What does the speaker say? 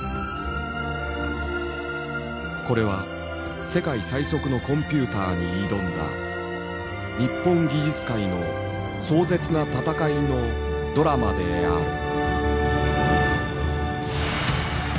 これは世界最速のコンピュータ−に挑んだ日本技術界の壮絶なたたかいのドラマである。